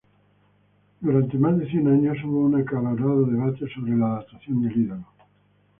Por más de cien años hubo un acalorado debate sobre la datación del ídolo.